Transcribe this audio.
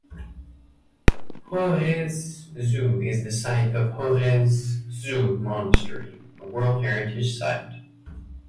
Horezu is the site of Horezu Monastery, a World Heritage Site.